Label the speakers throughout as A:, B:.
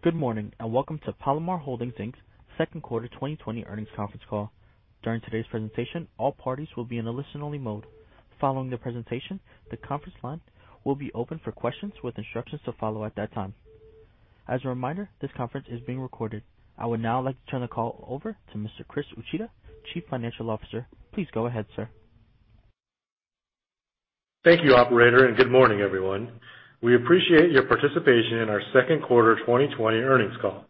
A: Good morning, and welcome to Palomar Holdings, Inc.'s second quarter 2020 earnings conference call. During today's presentation, all parties will be in a listen-only mode. Following the presentation, the conference line will be open for questions with instructions to follow at that time. As a reminder, this conference is being recorded. I would now like to turn the call over to Mr. Chris Uchida, Chief Financial Officer. Please go ahead, sir.
B: Thank you, operator, and good morning, everyone. We appreciate your participation in our second quarter 2020 earnings call.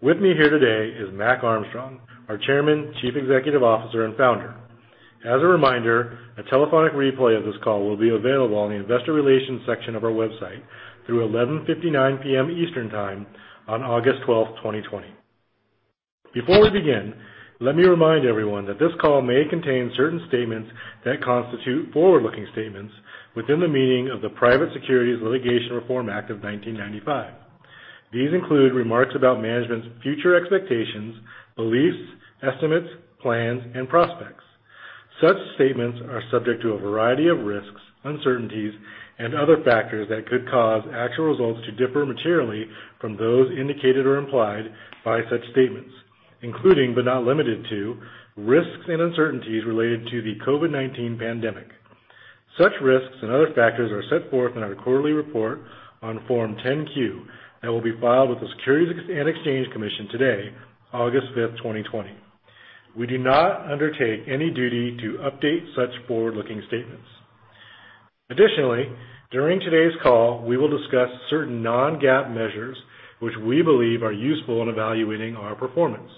B: With me here today is Mac Armstrong, our Chairman, Chief Executive Officer, and Founder. As a reminder, a telephonic replay of this call will be available on the investor relations section of our website through 11:59 P.M. Eastern Time on August 12th, 2020. Before we begin, let me remind everyone that this call may contain certain statements that constitute forward-looking statements within the meaning of the Private Securities Litigation Reform Act of 1995. These include remarks about management's future expectations, beliefs, estimates, plans, and prospects. Such statements are subject to a variety of risks, uncertainties, and other factors that could cause actual results to differ materially from those indicated or implied by such statements, including but not limited to risks and uncertainties related to the COVID-19 pandemic. Such risks and other factors are set forth in our quarterly report on Form 10-Q that will be filed with the Securities and Exchange Commission today, August 5th, 2020. We do not undertake any duty to update such forward-looking statements. Additionally, during today's call, we will discuss certain non-GAAP measures which we believe are useful in evaluating our performance.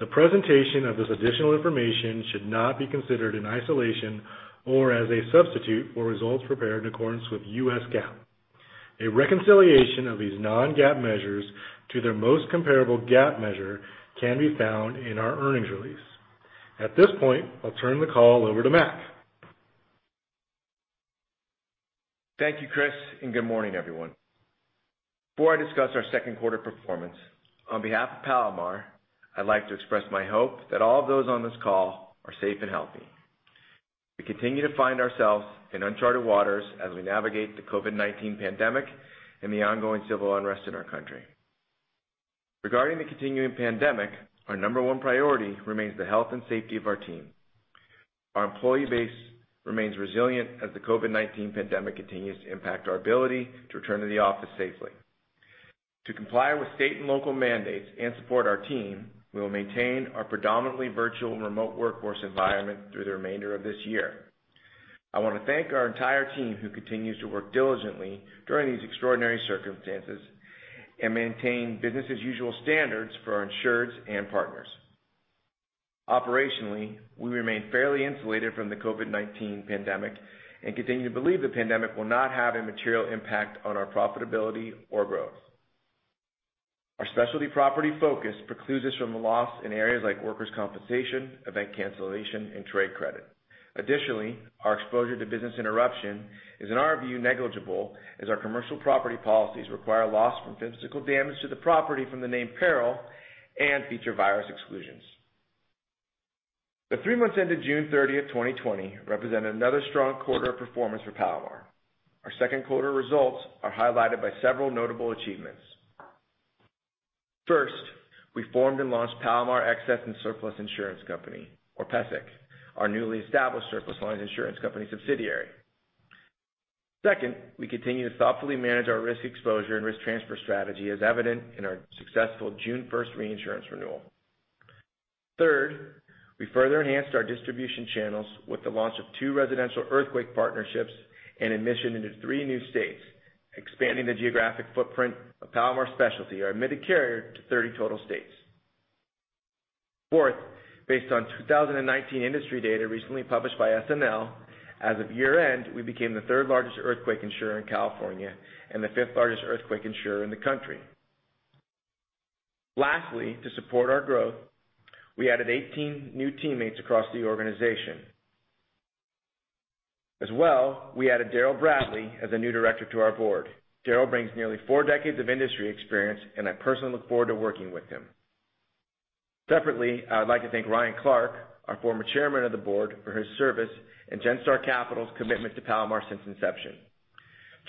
B: The presentation of this additional information should not be considered in isolation or as a substitute for results prepared in accordance with US GAAP. A reconciliation of these non-GAAP measures to their most comparable GAAP measure can be found in our earnings release. At this point, I'll turn the call over to Mac.
C: Thank you, Chris, and good morning, everyone. Before I discuss our second quarter performance, on behalf of Palomar, I'd like to express my hope that all of those on this call are safe and healthy. We continue to find ourselves in uncharted waters as we navigate the COVID-19 pandemic and the ongoing civil unrest in our country. Regarding the continuing pandemic, our number one priority remains the health and safety of our team. Our employee base remains resilient as the COVID-19 pandemic continues to impact our ability to return to the office safely. To comply with state and local mandates and support our team, we will maintain our predominantly virtual remote workforce environment through the remainder of this year. I want to thank our entire team who continues to work diligently during these extraordinary circumstances and maintain business-as-usual standards for our insureds and partners. Operationally, we remain fairly insulated from the COVID-19 pandemic and continue to believe the pandemic will not have a material impact on our profitability or growth. Our specialty property focus precludes us from a loss in areas like workers' compensation, event cancellation, and trade credit. Additionally, our exposure to business interruption is, in our view, negligible as our commercial property policies require loss from physical damage to the property from the named peril and feature virus exclusions. The three months ended June 30th, 2020, represented another strong quarter of performance for Palomar. Our second quarter results are highlighted by several notable achievements. First, we formed and launched Palomar Excess and Surplus Insurance Company, or PESIC, our newly established surplus lines insurance company subsidiary. Second, we continue to thoughtfully manage our risk exposure and risk transfer strategy as evident in our successful June 1st reinsurance renewal. Third, we further enhanced our distribution channels with the launch of two residential earthquake partnerships and admission into three new states, expanding the geographic footprint of Palomar Specialty, our admitted carrier, to 30 total states. Fourth, based on 2019 industry data recently published by SNL, as of year-end, we became the third-largest earthquake insurer in California and the fifth-largest earthquake insurer in the country. Lastly, to support our growth, we added 18 new teammates across the organization. As well, we added Daryl Bradley as a new director to our board. Daryl brings nearly four decades of industry experience, and I personally look forward to working with him. Separately, I would like to thank Ryan Clark, our former chairman of the board, for his service and Genstar Capital's commitment to Palomar since inception.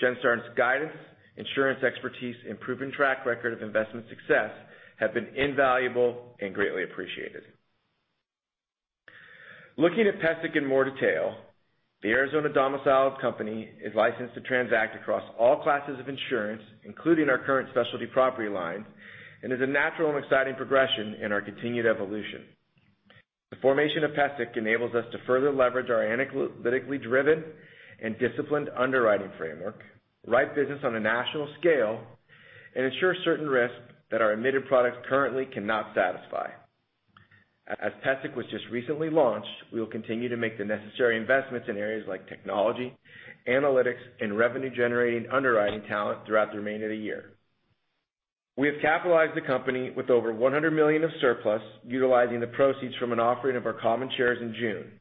C: Genstar's guidance, insurance expertise, and proven track record of investment success have been invaluable and greatly appreciated. Looking at PESIC in more detail, the Arizona-domiciled company is licensed to transact across all classes of insurance, including our current specialty property line, and is a natural and exciting progression in our continued evolution. The formation of PESIC enables us to further leverage our analytically driven and disciplined underwriting framework, write business on a national scale, and insure certain risks that our admitted products currently cannot satisfy. As PESIC was just recently launched, we will continue to make the necessary investments in areas like technology, analytics, and revenue-generating underwriting talent throughout the remainder of the year. We have capitalized the company with over $100 million of surplus utilizing the proceeds from an offering of our common shares in June.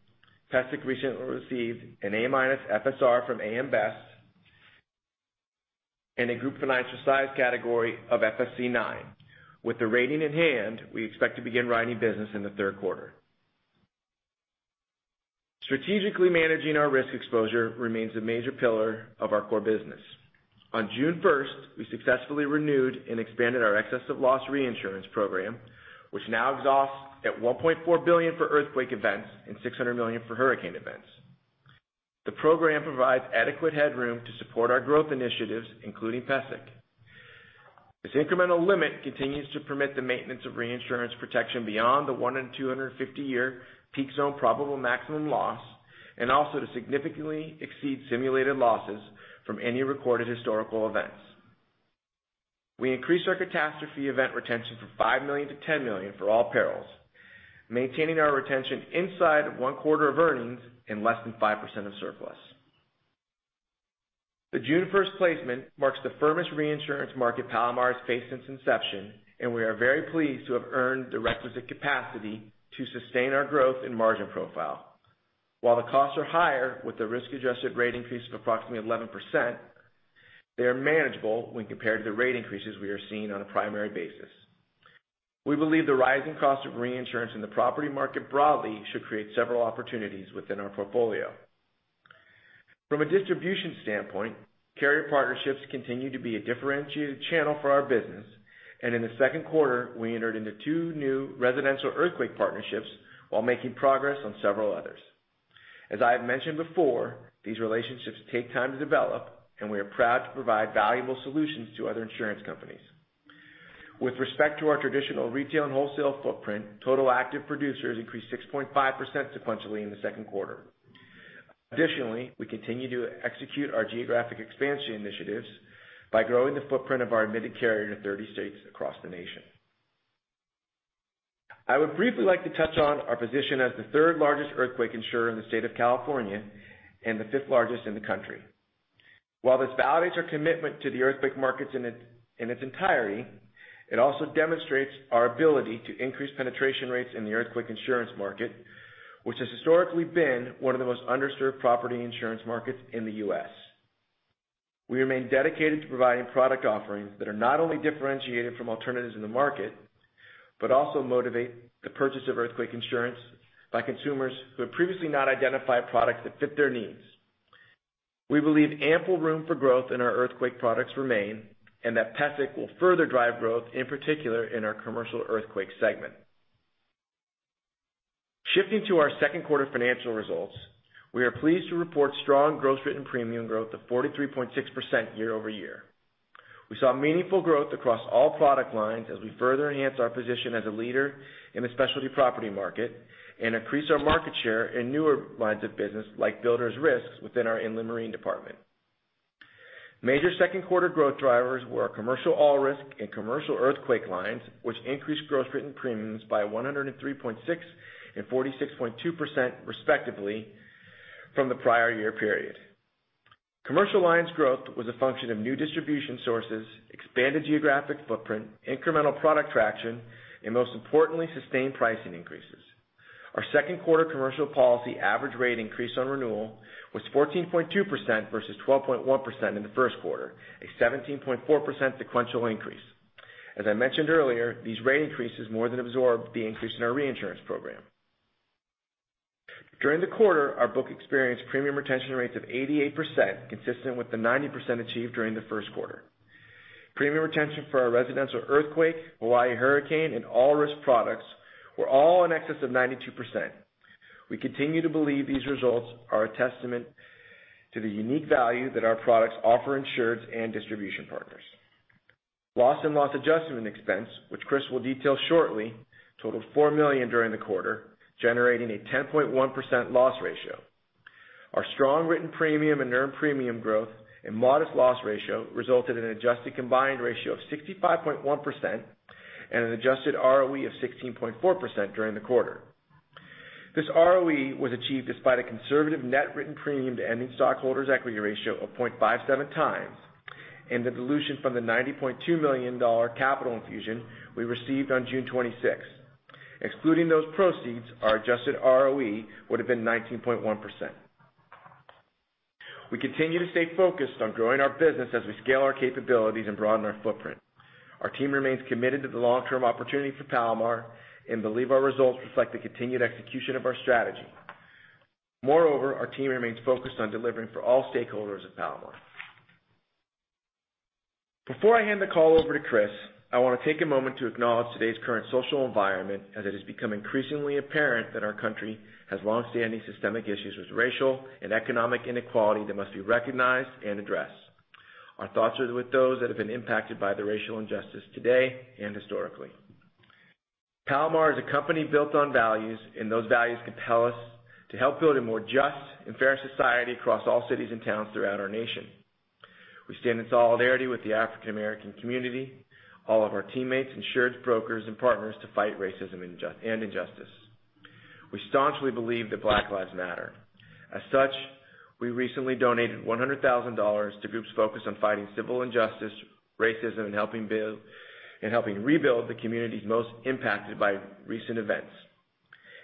C: PESIC recently received an A- FSR from AM Best and a group financial size category of FSC IX. With the rating in hand, we expect to begin writing business in the third quarter. Strategically managing our risk exposure remains a major pillar of our core business. On June 1st, we successfully renewed and expanded our excess of loss reinsurance program, which now exhausts at $1.4 billion for earthquake events and $600 million for hurricane events. The program provides adequate headroom to support our growth initiatives, including PESIC. This incremental limit continues to permit the maintenance of reinsurance protection beyond the one in 250-year peak zone probable maximum loss, and also to significantly exceed simulated losses from any recorded historical events. We increased our catastrophe event retention from $5 million to $10 million for all perils, maintaining our retention inside of one quarter of earnings in less than 5% of surplus. The June 1st placement marks the firmest reinsurance market Palomar has faced since inception. We are very pleased to have earned the requisite capacity to sustain our growth and margin profile. While the costs are higher with the risk-adjusted rate increase of approximately 11%, they are manageable when compared to the rate increases we are seeing on a primary basis. We believe the rising cost of reinsurance in the property market broadly should create several opportunities within our portfolio. From a distribution standpoint, carrier partnerships continue to be a differentiated channel for our business. In the second quarter, we entered into two new residential earthquake partnerships while making progress on several others. As I have mentioned before, these relationships take time to develop, and we are proud to provide valuable solutions to other insurance companies. With respect to our traditional retail and wholesale footprint, total active producers increased 6.5% sequentially in the second quarter. Additionally, we continue to execute our geographic expansion initiatives by growing the footprint of our admitted carrier to 30 states across the nation. I would briefly like to touch on our position as the third-largest earthquake insurer in the state of California and the fifth-largest in the country. While this validates our commitment to the earthquake markets in its entirety, it also demonstrates our ability to increase penetration rates in the earthquake insurance market, which has historically been one of the most underserved property insurance markets in the U.S. We remain dedicated to providing product offerings that are not only differentiated from alternatives in the market, but also motivate the purchase of earthquake insurance by consumers who have previously not identified products that fit their needs. We believe ample room for growth in our earthquake products remain. That PESIC will further drive growth, in particular in our commercial earthquake segment. Shifting to our second quarter financial results, we are pleased to report strong gross written premium growth of 43.6% year-over-year. We saw meaningful growth across all product lines as we further enhance our position as a leader in the specialty property market and increase our market share in newer lines of business like builders risks within our inland marine department. Major second quarter growth drivers were our commercial all risk and commercial earthquake lines, which increased gross written premiums by 103.6% and 46.2%, respectively, from the prior year period. Commercial lines growth was a function of new distribution sources, expanded geographic footprint, incremental product traction, and most importantly, sustained pricing increases. Our second quarter commercial policy average rate increase on renewal was 14.2% versus 12.1% in the first quarter, a 17.4% sequential increase. As I mentioned earlier, these rate increases more than absorb the increase in our reinsurance program. During the quarter, our book experienced premium retention rates of 88%, consistent with the 90% achieved during the first quarter. Premium retention for our residential earthquake, Hawaii hurricane, and all risk products were all in excess of 92%. We continue to believe these results are a testament to the unique value that our products offer insureds and distribution partners. Loss and loss adjustment expense, which Chris will detail shortly, totaled $4 million during the quarter, generating a 10.1% loss ratio. Our strong written premium and earned premium growth and modest loss ratio resulted in an adjusted combined ratio of 65.1% and an adjusted ROE of 16.4% during the quarter. This ROE was achieved despite a conservative net written premium to ending stockholders' equity ratio of 0.57 times, and the dilution from the $90.2 million capital infusion we received on June 26th. Excluding those proceeds, our adjusted ROE would have been 19.1%. We continue to stay focused on growing our business as we scale our capabilities and broaden our footprint. Our team remains committed to the long-term opportunity for Palomar and believe our results reflect the continued execution of our strategy. Moreover, our team remains focused on delivering for all stakeholders of Palomar. Before I hand the call over to Chris, I want to take a moment to acknowledge today's current social environment as it has become increasingly apparent that our country has long-standing systemic issues with racial and economic inequality that must be recognized and addressed. Our thoughts are with those that have been impacted by the racial injustice today and historically. Palomar is a company built on values, and those values compel us to help build a more just and fair society across all cities and towns throughout our nation. We stand in solidarity with the African American community, all of our teammates, insureds, brokers, and partners to fight racism and injustice. We staunchly believe that Black Lives Matter. As such, we recently donated $100,000 to groups focused on fighting civil injustice, racism, and helping rebuild the communities most impacted by recent events,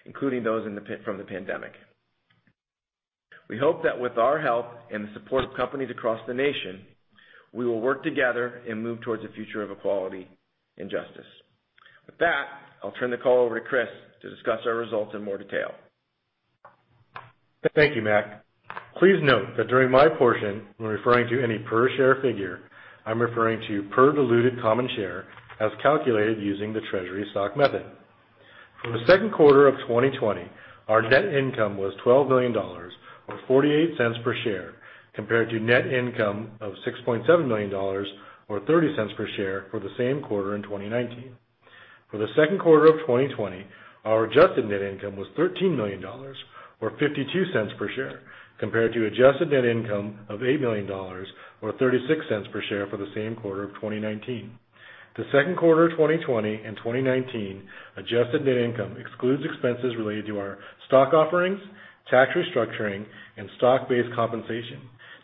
C: including those from the pandemic. We hope that with our help and the support of companies across the nation, we will work together and move towards a future of equality and justice. I'll turn the call over to Chris to discuss our results in more detail.
B: Thank you, Mac. Please note that during my portion, when referring to any per share figure, I'm referring to per diluted common share as calculated using the treasury stock method. For the second quarter of 2020, our net income was $12 million, or $0.48 per share, compared to net income of $6.7 million or $0.30 per share for the same quarter in 2019. For the second quarter of 2020, our adjusted net income was $13 million, or $0.52 per share, compared to adjusted net income of $8 million or $0.36 per share for the same quarter of 2019. The second quarter 2020 and 2019 adjusted net income excludes expenses related to our stock offerings, tax restructuring, and stock-based compensation,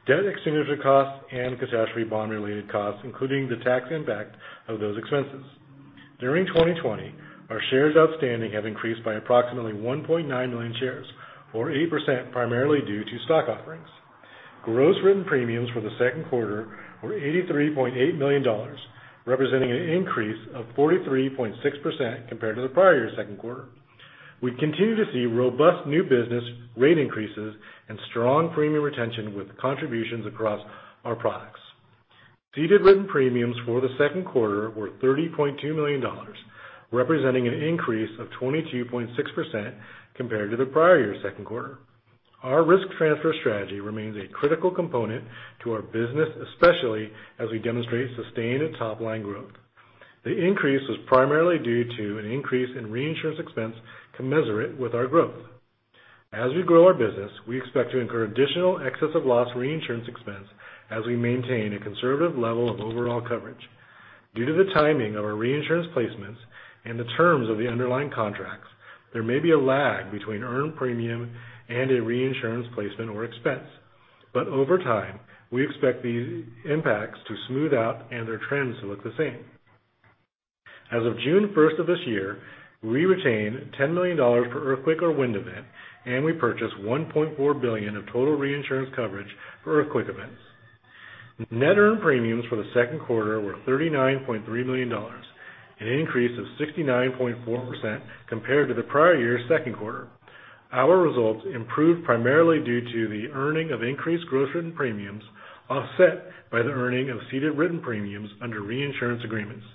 B: debt extinguishment costs, and catastrophe bond-related costs, including the tax impact of those expenses. During 2020, our shares outstanding have increased by approximately 1.9 million shares, or 8%, primarily due to stock offerings. Gross written premiums for the second quarter were $83.8 million, representing an increase of 43.6% compared to the prior year second quarter. We continue to see robust new business rate increases and strong premium retention with contributions across our products. Ceded written premiums for the second quarter were $30.2 million, representing an increase of 22.6% compared to the prior year second quarter. Our risk transfer strategy remains a critical component to our business, especially as we demonstrate sustained top-line growth. The increase was primarily due to an increase in reinsurance expense commensurate with our growth. As we grow our business, we expect to incur additional excess of loss reinsurance expense as we maintain a conservative level of overall coverage. Due to the timing of our reinsurance placements and the terms of the underlying contracts, there may be a lag between earned premium and a reinsurance placement or expense. Over time, we expect these impacts to smooth out and their trends to look the same. As of June 1st of this year, we retain $10 million per earthquake or wind event, and we purchased $1.4 billion of total reinsurance coverage for earthquake events. Net earned premiums for the second quarter were $39.3 million, an increase of 69.4% compared to the prior year second quarter. Our results improved primarily due to the earning of increased gross written premiums offset by the earning of ceded written premiums under reinsurance agreements.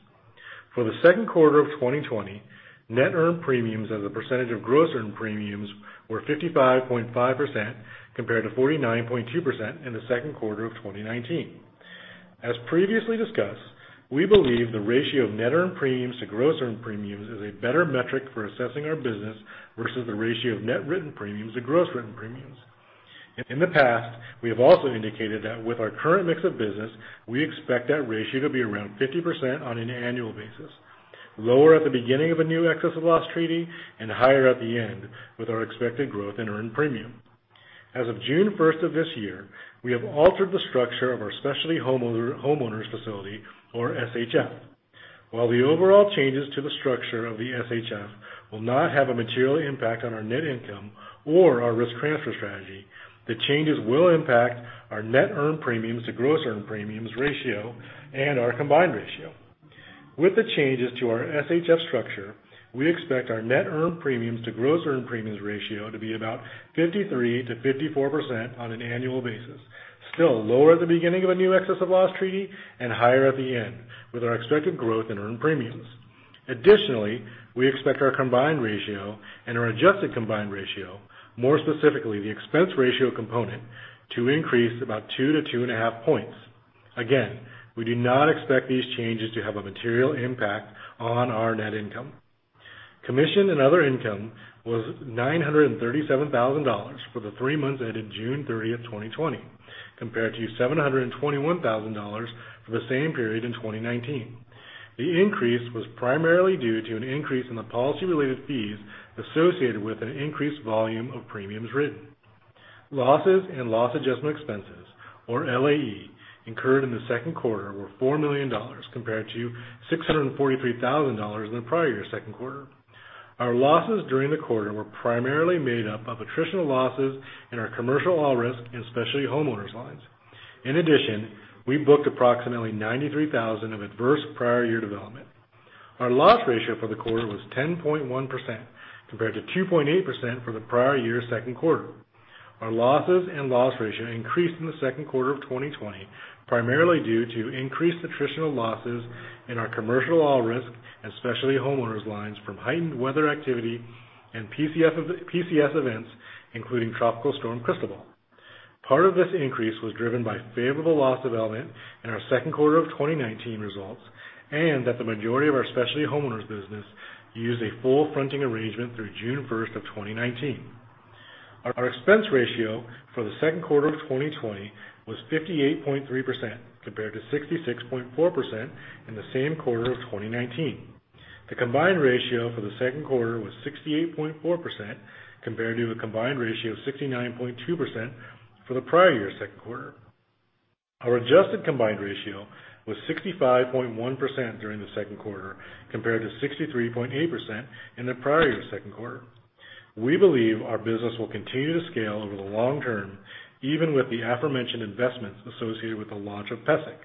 B: For the second quarter of 2020, net earned premiums as a percentage of gross written premiums were 55.5%, compared to 49.2% in the second quarter of 2019. As previously discussed, we believe the ratio of net earned premiums to gross earned premiums is a better metric for assessing our business versus the ratio of net written premiums to gross written premiums. In the past, we have also indicated that with our current mix of business, we expect that ratio to be around 50% on an annual basis, lower at the beginning of a new excess of loss treaty and higher at the end with our expected growth in earned premium. As of June 1st of this year, we have altered the structure of our specialty homeowners facility or SHF. While the overall changes to the structure of the SHF will not have a material impact on our net income or our risk transfer strategy, the changes will impact our net earned premiums to gross earned premiums ratio and our combined ratio. With the changes to our SHF structure, we expect our net earned premiums to gross earned premiums ratio to be about 53%-54% on an annual basis, still lower at the beginning of a new excess of loss treaty and higher at the end with our expected growth in earned premiums. Additionally, we expect our combined ratio and our adjusted combined ratio, more specifically the expense ratio component, to increase about 2 to 2.5 points. Again, we do not expect these changes to have a material impact on our net income. Commission and other income was $937,000 for the three months ended June 30th, 2020, compared to $721,000 for the same period in 2019. The increase was primarily due to an increase in the policy-related fees associated with an increased volume of premiums written. Losses and loss adjustment expenses, or LAE, incurred in the second quarter were $4 million compared to $643,000 in the prior year second quarter. Our losses during the quarter were primarily made up of attritional losses in our commercial all-risk and specialty homeowners lines. In addition, we booked approximately $93,000 of adverse prior year development. Our loss ratio for the quarter was 10.1%, compared to 2.8% for the prior year second quarter. Our losses and loss ratio increased in the second quarter of 2020, primarily due to increased attritional losses in our commercial all-risk and specialty homeowners lines from heightened weather activity and PCS events, including Tropical Storm Cristobal. Part of this increase was driven by favorable loss development in our second quarter of 2019 results, and that the majority of our specialty homeowners business used a full fronting arrangement through June 1st of 2019. Our expense ratio for the second quarter of 2020 was 58.3%, compared to 66.4% in the same quarter of 2019. The combined ratio for the second quarter was 68.4%, compared to a combined ratio of 69.2% for the prior year second quarter. Our adjusted combined ratio was 65.1% during the second quarter, compared to 63.8% in the prior year second quarter. We believe our business will continue to scale over the long term, even with the aforementioned investments associated with the launch of PESIC.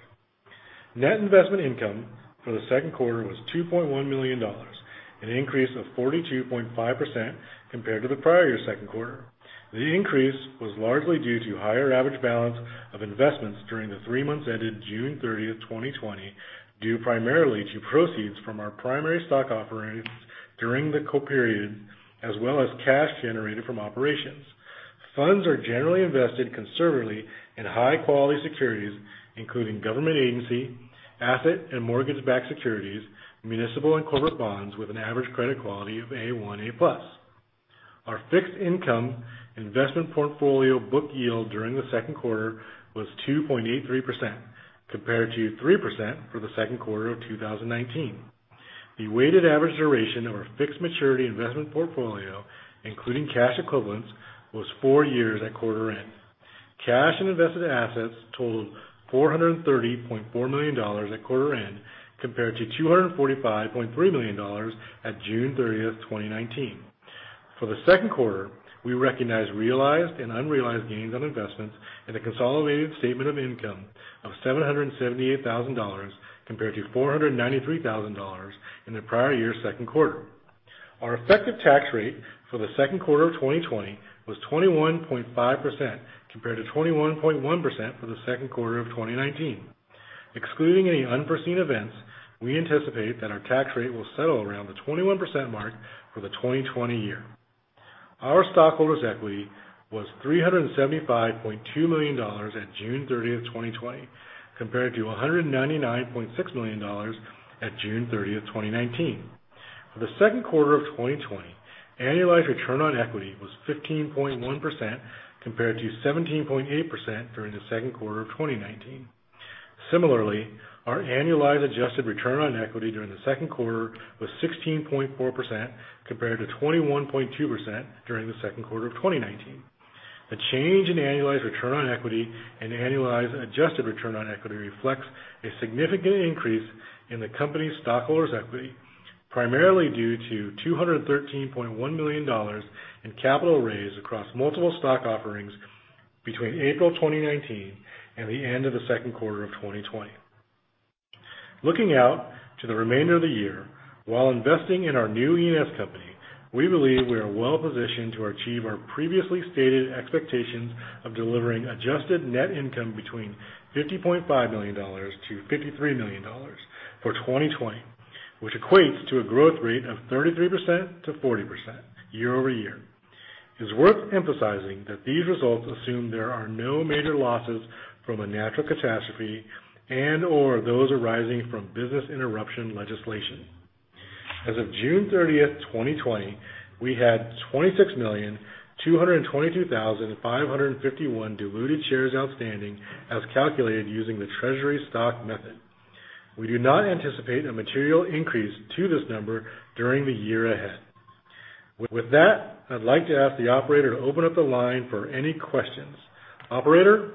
B: Net investment income for the second quarter was $2.1 million, an increase of 42.5% compared to the prior year second quarter. The increase was largely due to higher average balance of investments during the three months ended June 30th, 2020, due primarily to proceeds from our primary stock offerings during the period, as well as cash generated from operations. Funds are generally invested conservatively in high-quality securities, including government agency, asset and mortgage-backed securities, municipal and corporate bonds with an average credit quality of A1, A+. Our fixed income investment portfolio book yield during the second quarter was 2.83%, compared to 3% for the second quarter of 2019. The weighted average duration of our fixed maturity investment portfolio, including cash equivalents, was four years at quarter end. Cash and invested assets totaled $430.4 million at quarter end, compared to $245.3 million at June 30th, 2019. For the second quarter, we recognized realized and unrealized gains on investments in the consolidated statement of income of $778,000, compared to $493,000 in the prior year second quarter. Our effective tax rate for the second quarter of 2020 was 21.5%, compared to 21.1% for the second quarter of 2019. Excluding any unforeseen events, we anticipate that our tax rate will settle around the 21% mark for the 2020 year. Our stockholders' equity was $375.2 million at June 30th, 2020, compared to $199.6 million at June 30th, 2019. For the second quarter of 2020, annualized return on equity was 15.1%, compared to 17.8% during the second quarter of 2019. Similarly, our annualized adjusted return on equity during the second quarter was 16.4%, compared to 21.2% during the second quarter of 2019. The change in annualized return on equity and annualized adjusted return on equity reflects a significant increase in the company's stockholders' equity, primarily due to $213.1 million in capital raised across multiple stock offerings between April 2019 and the end of the second quarter of 2020. Looking out to the remainder of the year, while investing in our new E&S company, we believe we are well-positioned to achieve our previously stated expectations of delivering adjusted net income between $50.5 million to $53 million for 2020, which equates to a growth rate of 33%-40% year over year. It's worth emphasizing that these results assume there are no major losses from a natural catastrophe and/or those arising from business interruption legislation. As of June 30th, 2020, we had 26,222,551 diluted shares outstanding as calculated using the treasury stock method. We do not anticipate a material increase to this number during the year ahead. With that, I'd like to ask the operator to open up the line for any questions. Operator?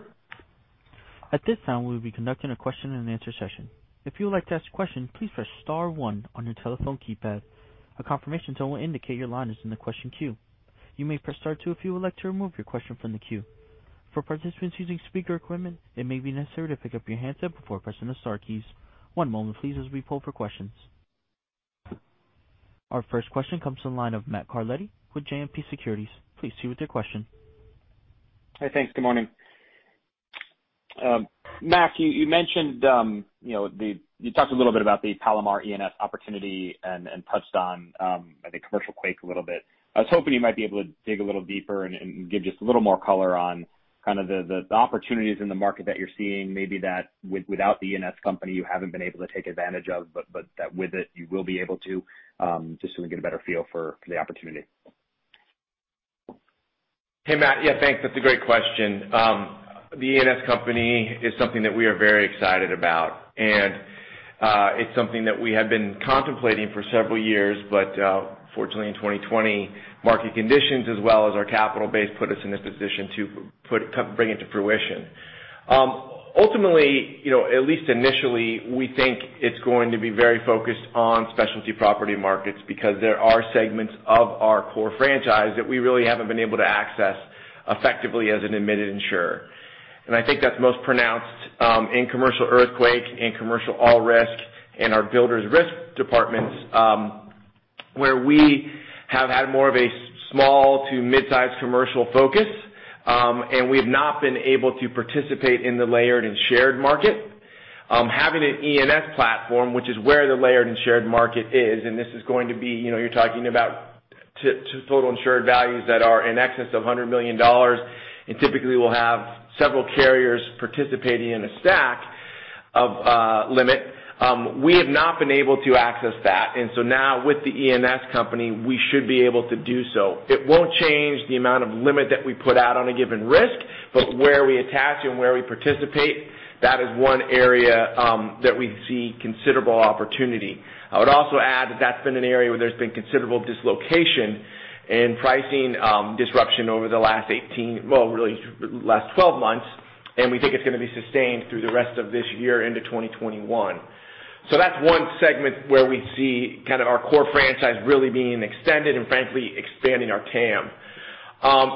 A: At this time, we will be conducting a question and answer session. If you would like to ask a question, please press *1 on your telephone keypad. A confirmation tone will indicate your line is in the question queue. You may press *2 if you would like to remove your question from the queue. For participants using speaker equipment, it may be necessary to pick up your handset before pressing the star keys. One moment please as we poll for questions. Our first question comes from the line of Matthew Carletti with JMP Securities. Please proceed with your question.
D: Hey, thanks. Good morning. Mac, you mentioned, you talked a little bit about the Palomar E&S opportunity and touched on, I think, commercial quake a little bit. I was hoping you might be able to dig a little deeper and give just a little more color on kind of the opportunities in the market that you're seeing, maybe that without the E&S company you haven't been able to take advantage of, but that with it you will be able to, just so we get a better feel for the opportunity.
C: Hey, Matt. Yeah, thanks. That's a great question. The E&S company is something that we are very excited about, and it's something that we have been contemplating for several years, but fortunately in 2020, market conditions as well as our capital base put us in a position to bring it to fruition. Ultimately, at least initially, we think it's going to be very focused on specialty property markets because there are segments of our core franchise that we really haven't been able to access effectively as an admitted insurer. I think that's most pronounced in commercial earthquake, in commercial all risk, and our Builders Risk departments, where we have had more of a small to midsize commercial focus, and we have not been able to participate in the layered and shared market. Having an E&S platform, which is where the layered and shared market is, you're talking about total insured values that are in excess of $100 million, and typically will have several carriers participating in a stack of limit. We have not been able to access that. Now with the E&S company, we should be able to do so. It won't change the amount of limit that we put out on a given risk, but where we attach and where we participate, that is one area that we see considerable opportunity. I would also add that that's been an area where there's been considerable dislocation Pricing disruption over the last 18, last 12 months, and we think it's going to be sustained through the rest of this year into 2021. That's one segment where we see kind of our core franchise really being extended and frankly expanding our TAM.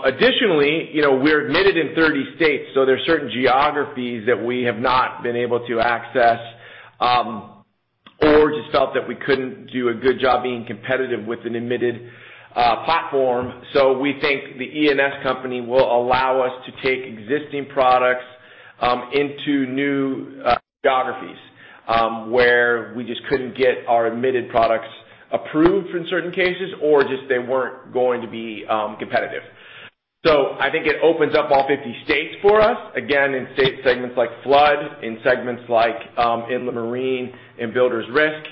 C: Additionally, we're admitted in 30 states, there's certain geographies that we have not been able to access, or just felt that we couldn't do a good job being competitive with an admitted platform. We think the E&S company will allow us to take existing products into new geographies, where we just couldn't get our admitted products approved in certain cases or just they weren't going to be competitive. I think it opens up all 50 states for us, again, in state segments like flood, in segments like Inland Marine and builders risk.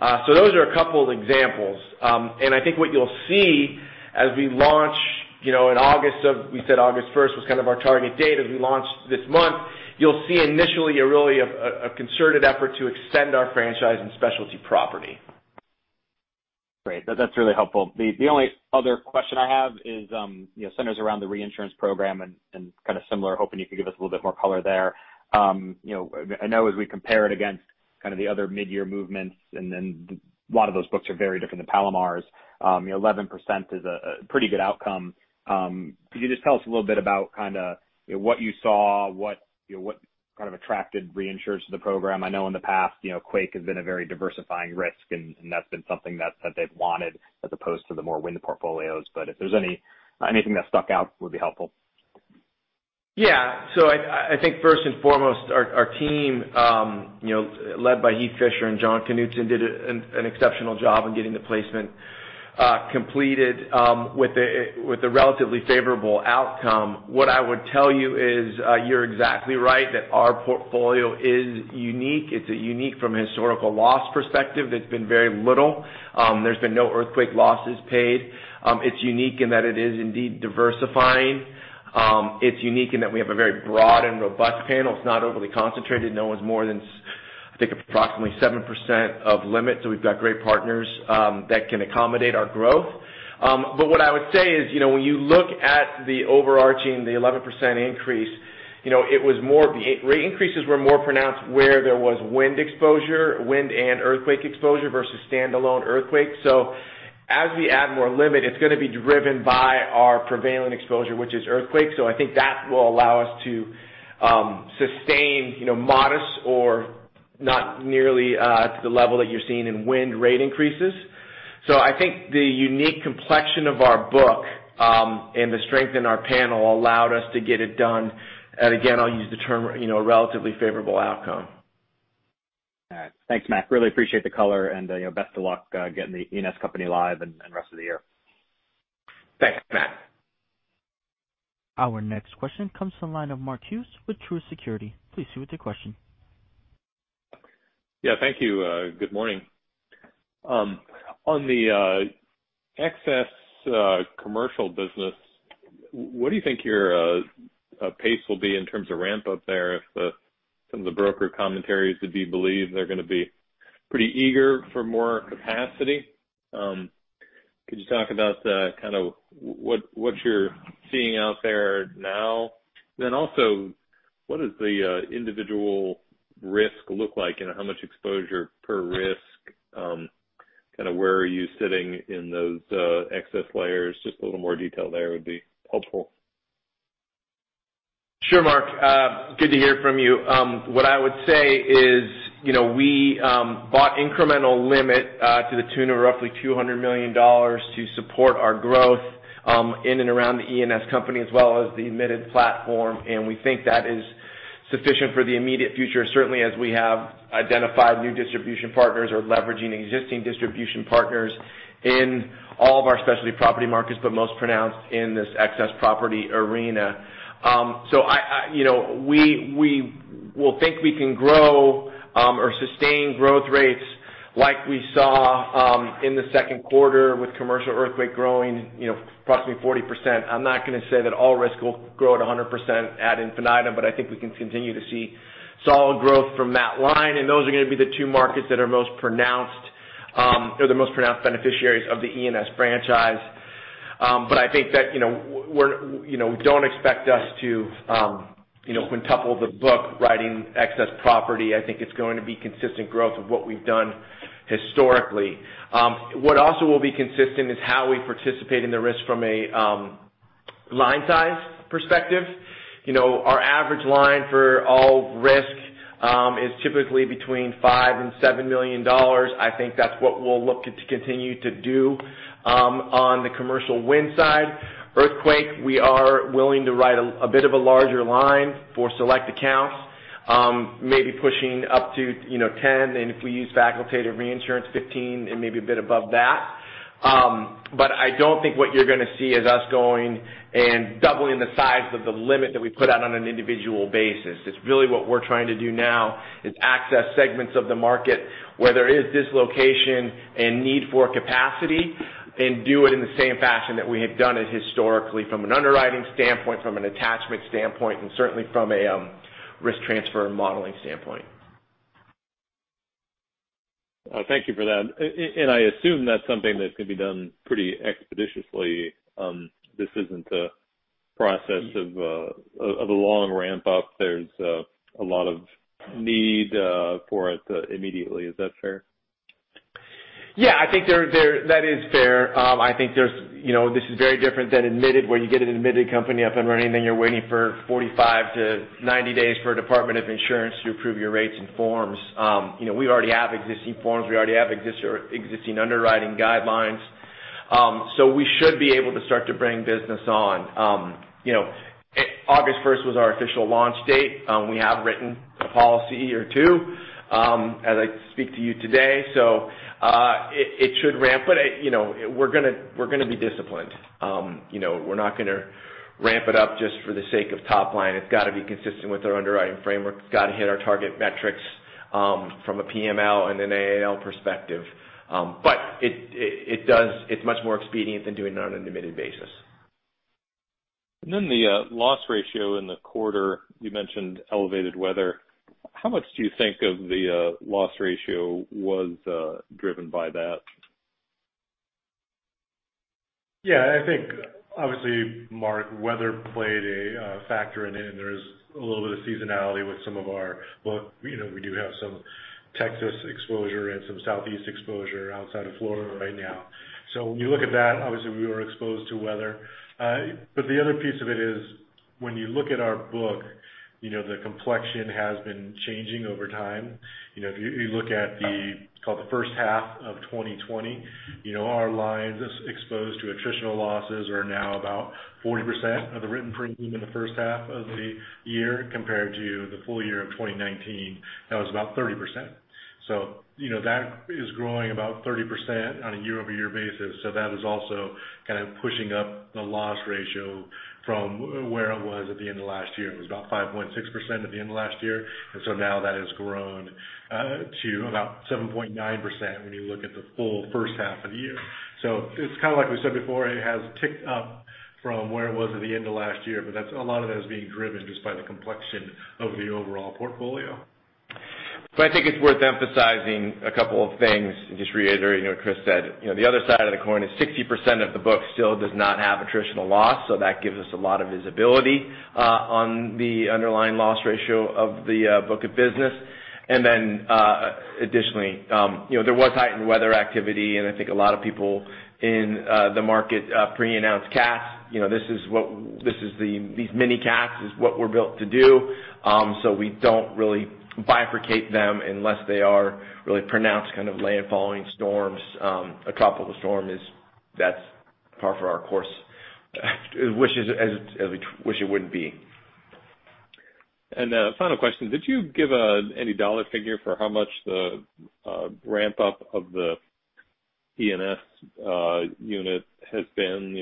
C: Those are a couple of examples. I think what you'll see as we launch in August, we said August first was kind of our target date as we launch this month. You'll see initially really a concerted effort to extend our franchise and specialty property.
D: Great. That's really helpful. The only other question I have centers around the reinsurance program and kind of similar, hoping you could give us a little bit more color there. I know as we compare it against kind of the other mid-year movements, and then a lot of those books are very different than Palomar's. 11% is a pretty good outcome. Could you just tell us a little bit about kind of what you saw, what kind of attracted reinsurers to the program? I know in the past, quake has been a very diversifying risk, and that's been something that they've wanted as opposed to the more wind portfolios. If there's anything that stuck out would be helpful.
C: I think first and foremost, our team, led by Heath Fisher and Jon Knutzen, did an exceptional job in getting the placement completed with a relatively favorable outcome. What I would tell you is, you're exactly right, that our portfolio is unique. It's unique from a historical loss perspective. There's been very little. There's been no earthquake losses paid. It's unique in that it is indeed diversifying. It's unique in that we have a very broad and robust panel. It's not overly concentrated. No one's more than, I think, approximately 7% of limit. We've got great partners that can accommodate our growth. What I would say is, when you look at the overarching, the 11% increase, rate increases were more pronounced where there was wind exposure, wind and earthquake exposure versus standalone earthquake. As we add more limit, it's going to be driven by our prevailing exposure, which is earthquake. I think that will allow us to sustain modest or not nearly to the level that you're seeing in wind rate increases. I think the unique complexion of our book, and the strength in our panel allowed us to get it done, and again, I'll use the term, a relatively favorable outcome.
D: All right. Thanks, Mac. Really appreciate the color and best of luck getting the E&S company live and rest of the year.
C: Thanks, Matt.
A: Our next question comes from the line of Mark Hughes with Truist Securities. Please proceed with your question.
E: Yeah, thank you. Good morning. On the excess commercial business, what do you think your pace will be in terms of ramp-up there if some of the broker commentaries are to be believed, they're going to be pretty eager for more capacity? Could you talk about kind of what you're seeing out there now? Also, what does the individual risk look like and how much exposure per risk? Kind of where are you sitting in those excess layers? Just a little more detail there would be helpful.
C: Sure, Mark. Good to hear from you. What I would say is we bought incremental limit to the tune of roughly $200 million to support our growth in and around the E&S company as well as the admitted platform, we think that is sufficient for the immediate future, certainly as we have identified new distribution partners or leveraging existing distribution partners in all of our specialty property markets, but most pronounced in this excess property arena. We'll think we can grow or sustain growth rates like we saw in the second quarter with commercial earthquake growing approximately 40%. I'm not going to say that all risk will grow at 100% ad infinitum, but I think we can continue to see solid growth from that line, those are going to be the two markets that are the most pronounced beneficiaries of the E&S franchise. I think that don't expect us to quintuple the book writing excess property. I think it's going to be consistent growth of what we've done historically. What also will be consistent is how we participate in the risk from a line size perspective. Our average line for all risk is typically between $5 million and $7 million. I think that's what we'll look to continue to do on the commercial wind side. Earthquake, we are willing to write a bit of a larger line for select accounts, maybe pushing up to 10, and if we use facultative reinsurance, 15, and maybe a bit above that. I don't think what you're going to see is us going and doubling the size of the limit that we put out on an individual basis. It's really what we're trying to do now is access segments of the market where there is dislocation and need for capacity, do it in the same fashion that we have done it historically from an underwriting standpoint, from an attachment standpoint, certainly from a risk transfer modeling standpoint.
E: Thank you for that. I assume that's something that can be done pretty expeditiously. This isn't a process of a long ramp-up. There's a lot of need for it immediately. Is that fair?
C: Yeah, I think that is fair. I think this is very different than admitted, where you get an admitted company up and running, then you're waiting for 45-90 days for a department of insurance to approve your rates and forms. We already have existing forms, we already have existing underwriting guidelines. We should be able to start to bring business on. August 1st was our official launch date. We have written a policy or two as I speak to you today, so it should ramp. We're going to be disciplined. We're not going to ramp it up just for the sake of top line. It's got to be consistent with our underwriting framework. It's got to hit our target metrics from a PML and an AAL perspective. It's much more expedient than doing it on an admitted basis.
E: The loss ratio in the quarter, you mentioned elevated weather. How much do you think of the loss ratio was driven by that?
B: Yeah, I think obviously, Mark, weather played a factor in it, and there's a little bit of seasonality with some of our book. We do have some Texas exposure and some Southeast exposure outside of Florida right now. When you look at that, obviously, we were exposed to weather. The other piece of it is, when you look at our book, the complexion has been changing over time. If you look at the, call it the first half of 2020, our lines exposed to attritional losses are now about 40% of the written premium in the first half of the year compared to the full year of 2019. That was about 30%. That is growing about 30% on a year-over-year basis. That is also kind of pushing up the loss ratio from where it was at the end of last year. It was about 5.6% at the end of last year. Now that has grown to about 7.9% when you look at the full first half of the year. It's kind of like we said before, it has ticked up from where it was at the end of last year, but a lot of that is being driven just by the complexion of the overall portfolio.
C: I think it's worth emphasizing a couple of things, and just reiterating what Chris said. The other side of the coin is 60% of the book still does not have attritional loss. That gives us a lot of visibility on the underlying loss ratio of the book of business. Additionally, there was heightened weather activity, and I think a lot of people in the market pre-announce cats. These mini cats is what we're built to do. We don't really bifurcate them unless they are really pronounced kind of landfalling storms. A tropical storm, that's par for our course. As we wish it wouldn't be.
E: A final question, did you give any dollar figure for how much the ramp-up of the E&S unit has been?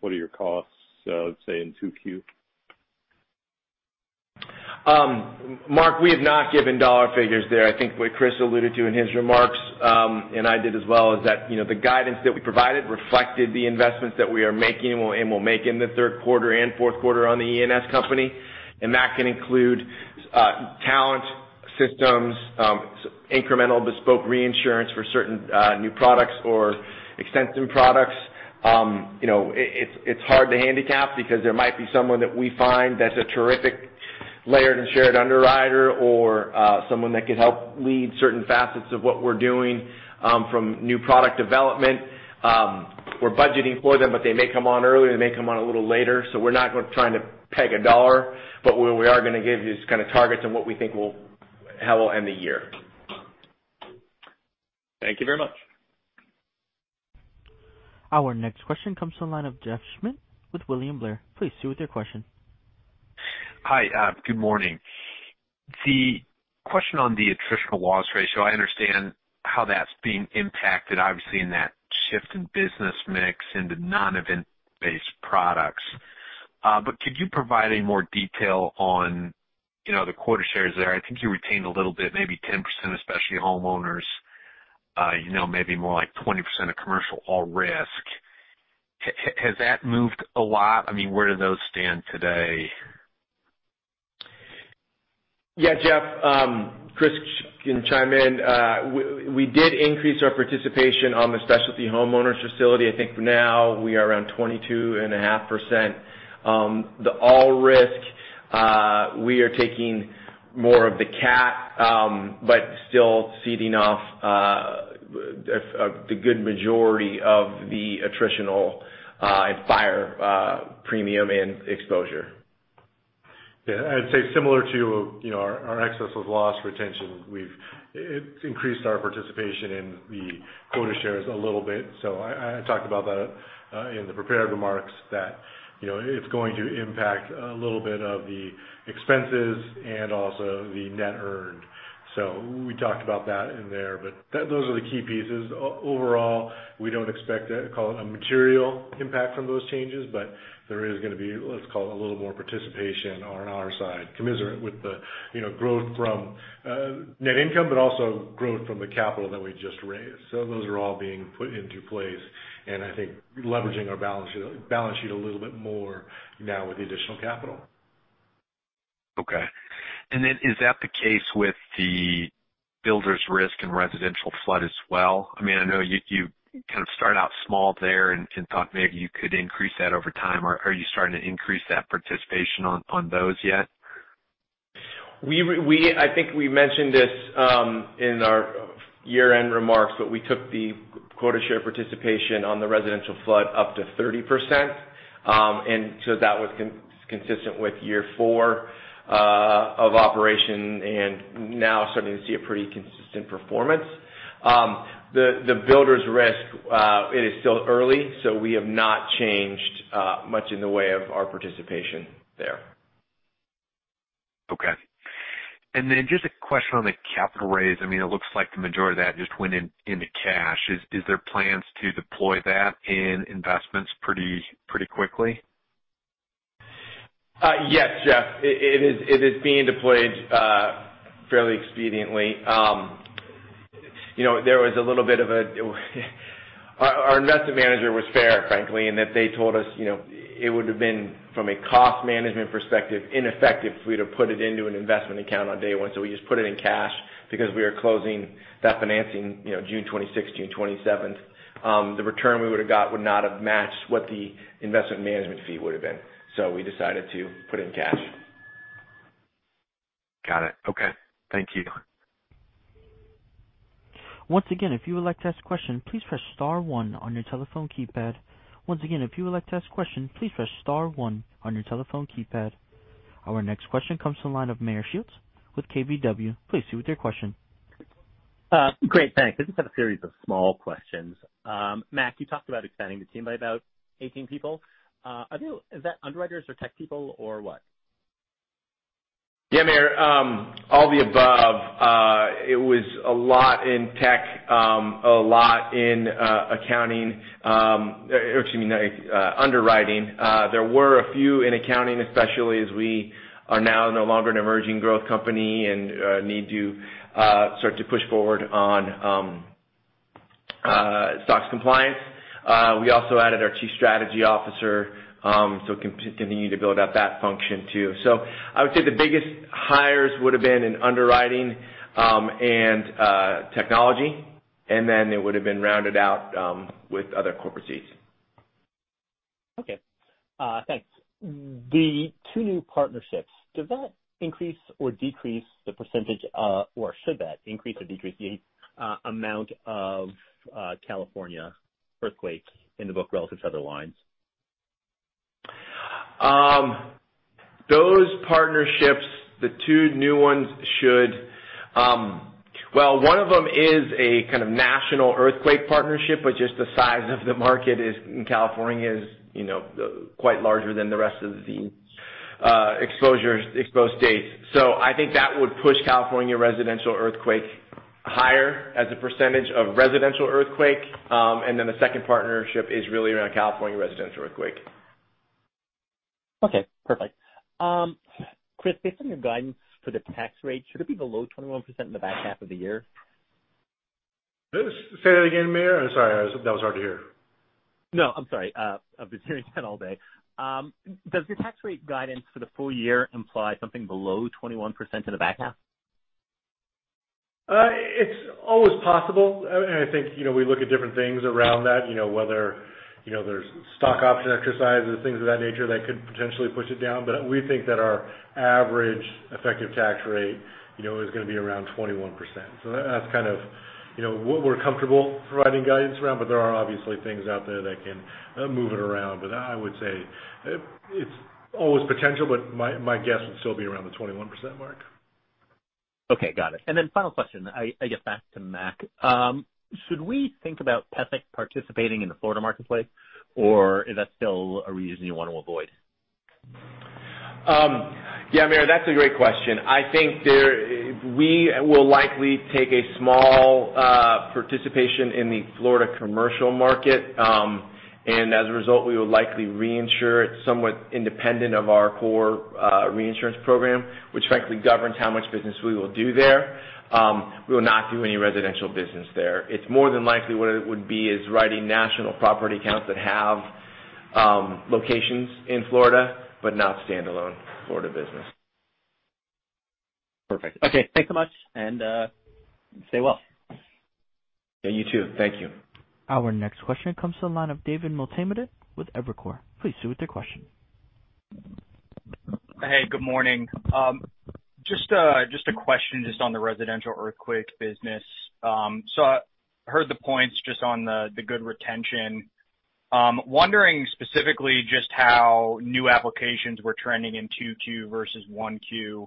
E: What are your costs, let's say in 2Q?
C: Mark, we have not given dollar figures there. I think what Chris alluded to in his remarks, and I did as well, is that the guidance that we provided reflected the investments that we are making and will make in the third quarter and fourth quarter on the E&S company. That can include talent, systems, incremental bespoke reinsurance for certain new products or extension products. It's hard to handicap because there might be someone that we find that's a terrific layered and shared underwriter or someone that could help lead certain facets of what we're doing from new product development. We're budgeting for them, but they may come on early or they may come on a little later. We're not trying to peg a dollar, but what we are going to give you is kind of targets on what we think how we'll end the year.
E: Thank you very much.
A: Our next question comes from the line of Jeff Schmitt with William Blair. Please, proceed with your question.
F: Hi, good morning. The question on the attritional loss ratio, I understand how that's being impacted, obviously, in that shift in business mix into non-event-based products. Could you provide any more detail on the quota shares there? I think you retained a little bit, maybe 10%, specialty homeowners. Maybe more like 20% of commercial all risk. Has that moved a lot? Where do those stand today?
C: Yeah, Jeff. Chris can chime in. We did increase our participation on the specialty homeowners facility. I think for now, we are around 22.5%. The all risk, we are taking more of the cat, but still ceding off the good majority of the attritional fire premium and exposure.
B: I'd say similar to our excess of loss retention, it's increased our participation in the quota shares a little bit. I talked about that in the prepared remarks that it's going to impact a little bit of the expenses and also the net earned. We talked about that in there, but those are the key pieces. Overall, we don't expect a material impact from those changes, but there is going to be, let's call it a little more participation on our side, commensurate with the growth from net income, but also growth from the capital that we just raised. Those are all being put into place, and I think leveraging our balance sheet a little bit more now with the additional capital.
F: Okay. Is that the case with the builders risk and residential flood as well? I know you kind of started out small there and thought maybe you could increase that over time. Are you starting to increase that participation on those yet?
C: I think we mentioned this in our year-end remarks, but we took the quota share participation on the residential flood up to 30%, that was consistent with year four of operation and now starting to see a pretty consistent performance. The builder's risk, it is still early, we have not changed much in the way of our participation there.
F: Okay. Just a question on the capital raise. It looks like the majority of that just went into cash. Is there plans to deploy that in investments pretty quickly?
C: Yes, Jeff. It is being deployed fairly expediently. Our investment manager was fair, frankly, in that they told us it would have been, from a cost management perspective, ineffective for you to put it into an investment account on day one. We just put it in cash because we are closing that financing June 26th, June 27th. The return we would have got would not have matched what the investment management fee would've been. We decided to put it in cash.
F: Got it. Okay. Thank you.
A: Once again, if you would like to ask a question, please press *1 on your telephone keypad. Once again, if you would like to ask a question, please press *1 on your telephone keypad. Our next question comes from the line of Meyer Shields with KBW. Please proceed with your question.
G: Great. Thanks. I just have a series of small questions. Mac, you talked about expanding the team by about 18 people. Is that underwriters or tech people or what?
C: Meyer, all the above. It was a lot in tech, a lot in accounting, or excuse me, underwriting. There were a few in accounting, especially as we are now no longer an emerging growth company and need to start to push forward on SOX compliance. We also added our Chief Strategy Officer, continuing to build up that function too. I would say the biggest hires would've been in underwriting and technology, and then it would've been rounded out with other corporate seats.
G: Okay. Thanks. The two new partnerships, does that increase or decrease the percentage, or should that increase or decrease the amount of California earthquakes in the book relative to other lines?
C: Those partnerships, the two new ones should. Well, one of them is a kind of national earthquake partnership, but just the size of the market in California is quite larger than the rest of the exposed states. I think that would push California residential earthquake higher as a percentage of residential earthquake. The second partnership is really around California residential earthquake.
G: Okay, perfect. Chris, based on your guidance for the tax rate, should it be below 21% in the back half of the year?
B: Say that again, Meyer. I'm sorry, that was hard to hear.
G: I'm sorry. I've been hearing that all day. Does your tax rate guidance for the full year imply something below 21% in the back half?
B: It's always possible, I think we look at different things around that, whether there's stock option exercises, things of that nature that could potentially push it down. We think that our average effective tax rate is going to be around 21%. That's kind of what we're comfortable providing guidance around, there are obviously things out there that can move it around. I would say it's always potential, my guess would still be around the 21% mark.
G: Okay, got it. Then final question, I guess back to Mac. Should we think about PESIC participating in the Florida marketplace, or is that still a region you want to avoid?
C: Yeah, Meyer, that's a great question. I think we will likely take a small participation in the Florida commercial market. As a result, we will likely reinsure it somewhat independent of our core reinsurance program, which frankly governs how much business we will do there. We will not do any residential business there. It's more than likely what it would be is writing national property accounts that have locations in Florida, but not standalone Florida business.
G: Perfect. Okay, thanks so much, and stay well.
C: Yeah, you too. Thank you.
A: Our next question comes to the line of David Motemaden with Evercore. Please proceed with your question.
H: Hey, good morning. Just a question just on the residential earthquake business. I heard the points just on the good retention. I'm wondering specifically just how new applications were trending in Q2 versus Q1.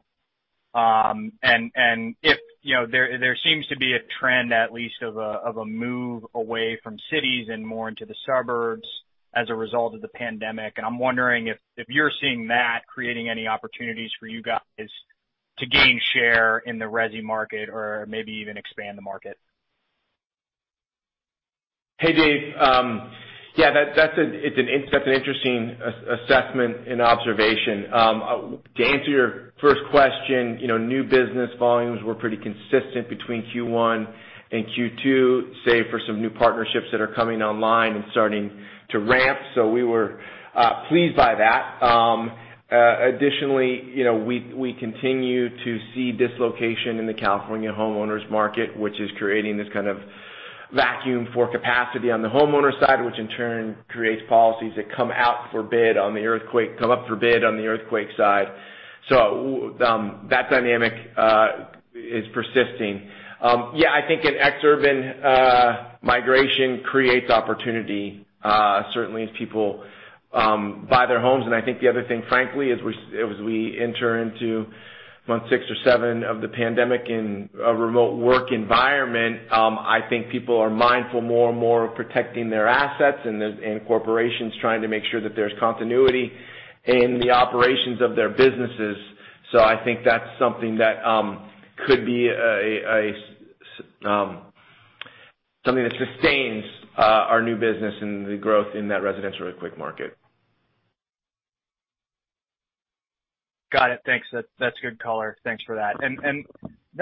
H: There seems to be a trend, at least, of a move away from cities and more into the suburbs as a result of the pandemic, and I'm wondering if you're seeing that creating any opportunities for you guys to gain share in the resi market or maybe even expand the market.
C: Hey, Dave. That's an interesting assessment and observation. To answer your first question, new business volumes were pretty consistent between Q1 and Q2, say, for some new partnerships that are coming online and starting to ramp. We were pleased by that. Additionally, we continue to see dislocation in the California homeowners market, which is creating this kind of vacuum for capacity on the homeowner side, which in turn creates policies that come up for bid on the earthquake side. That dynamic is persisting. I think an ex-urban migration creates opportunity, certainly as people buy their homes. I think the other thing, frankly, as we enter into month six or seven of the pandemic in a remote work environment, I think people are mindful more and more of protecting their assets and corporations trying to make sure that there's continuity in the operations of their businesses. I think that's something that sustains our new business and the growth in that residential earthquake market.
H: Got it. Thanks. That's good color. Thanks for that.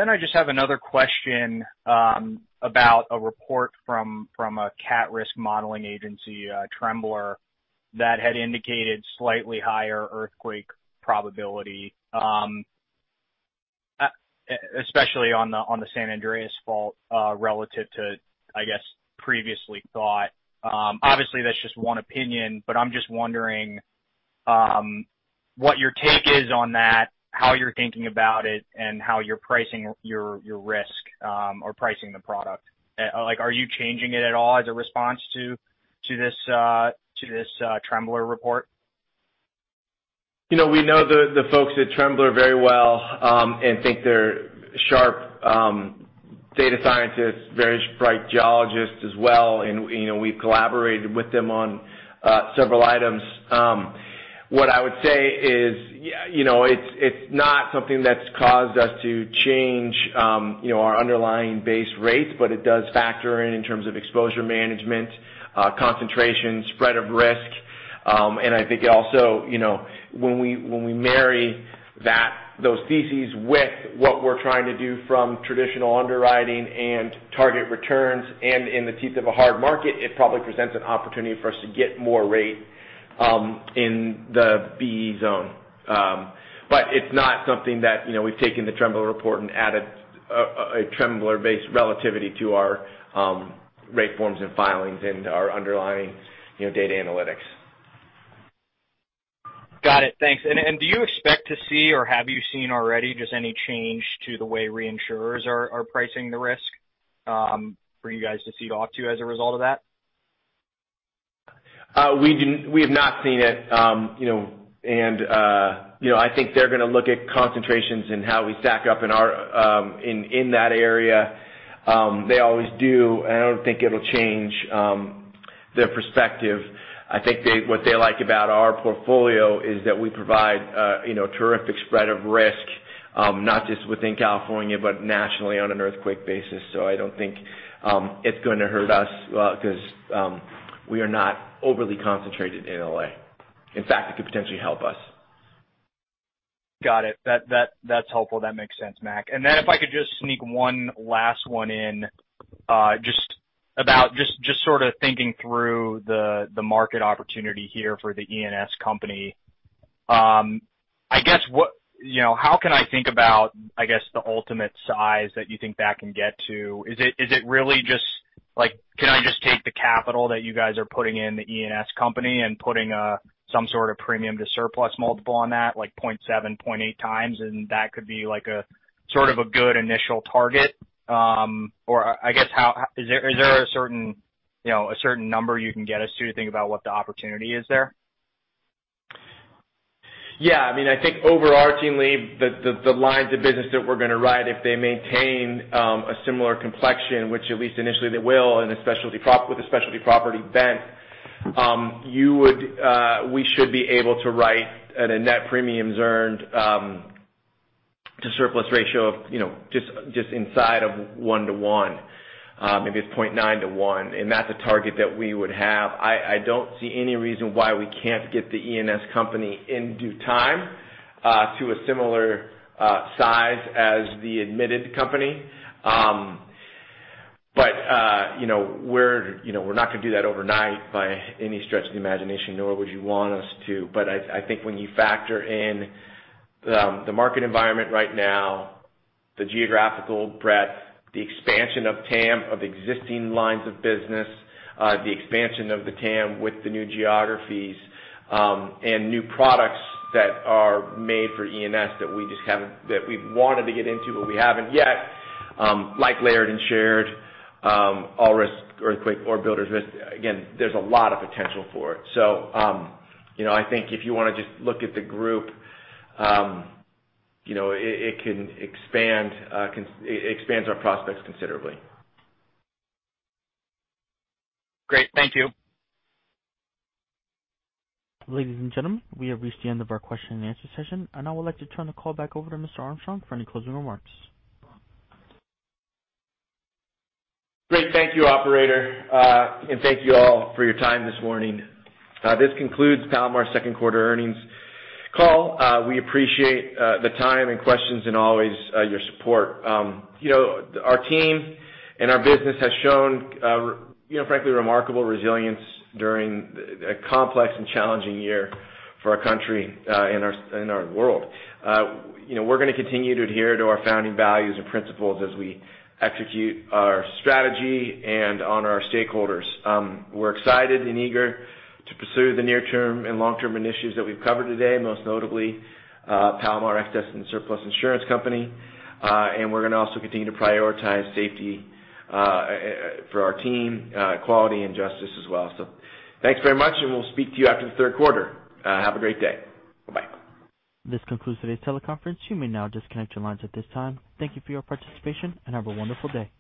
H: I just have another question, about a report from a cat risk modeling agency, Temblor, that had indicated slightly higher earthquake probability, especially on the San Andreas fault, relative to, I guess, previously thought. Obviously, that's just one opinion, but I'm just wondering what your take is on that, how you're thinking about it, and how you're pricing your risk, or pricing the product. Are you changing it at all as a response to this Temblor report?
C: We know the folks at Temblor very well, think they're sharp data scientists, very bright geologists as well, we've collaborated with them on several items. What I would say is it's not something that's caused us to change our underlying base rates, it does factor in terms of exposure management, concentration, spread of risk. I think also when we marry those theses with what we're trying to do from traditional underwriting and target returns, in the teeth of a hard market, it probably presents an opportunity for us to get more rate in the break-even zone. It's not something that we've taken the Temblor report and added a Temblor-based relativity to our rate forms and filings and our underlying data analytics.
H: Got it. Thanks. Do you expect to see, or have you seen already, just any change to the way reinsurers are pricing the risk for you guys to cede off to as a result of that?
C: We have not seen it. I think they're going to look at concentrations and how we stack up in that area. They always do, I don't think it'll change their perspective. I think what they like about our portfolio is that we provide a terrific spread of risk, not just within California, but nationally on an earthquake basis. I don't think it's going to hurt us because we are not overly concentrated in L.A. In fact, it could potentially help us.
H: Got it. That's helpful. That makes sense, Mac. If I could just sneak one last one in, just sort of thinking through the market opportunity here for the E&S company. How can I think about the ultimate size that you think that can get to? Can I just take the capital that you guys are putting in the E&S company and putting some sort of premium to surplus multiple on that, like 0.7, 0.8 times, that could be a good initial target? Is there a certain number you can get us to think about what the opportunity is there?
C: Yeah. I think overarchingly, the lines of business that we're going to write, if they maintain a similar complexion, which at least initially they will with a specialty property bent, we should be able to write at a net premiums earned to surplus ratio of just inside of one to one. Maybe it's 0.9 to 1, and that's a target that we would have. I don't see any reason why we can't get the E&S company in due time to a similar size as the admitted company. We're not going to do that overnight by any stretch of the imagination, nor would you want us to. I think when you factor in the market environment right now, the geographical breadth, the expansion of TAM of existing lines of business, the expansion of the TAM with the new geographies, and new products that are made for E&S that we've wanted to get into, but we haven't yet, like layered and shared, all-risk earthquake or builders risk, again, there's a lot of potential for it. So I think if you want to just look at the group, it expands our prospects considerably.
H: Great. Thank you.
A: Ladies and gentlemen, we have reached the end of our question and answer session, and I would like to turn the call back over to Mr. Armstrong for any closing remarks.
C: Great. Thank you, operator. Thank you all for your time this morning. This concludes Palomar's second quarter earnings call. We appreciate the time and questions and always your support. Our team and our business has shown frankly remarkable resilience during a complex and challenging year for our country and our world. We're going to continue to adhere to our founding values and principles as we execute our strategy and honor our stakeholders. We're excited and eager to pursue the near-term and long-term initiatives that we've covered today, most notably Palomar Excess and Surplus Insurance Company. We're going to also continue to prioritize safety for our team, quality, and justice as well. Thanks very much, and we'll speak to you after the third quarter. Have a great day. Bye-bye.
A: This concludes today's teleconference. You may now disconnect your lines at this time. Thank you for your participation, and have a wonderful day.